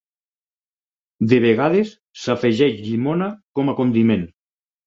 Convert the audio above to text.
De vegades s'afegeix llimona com a condiment.